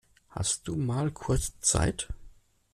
Hast du mal kurz Zeit?